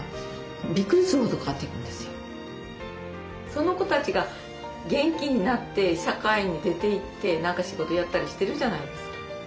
その子たちが元気になって社会に出ていって何か仕事やったりしてるじゃないですか。